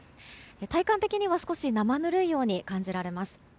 体感的には少し生ぬるいように感じられます。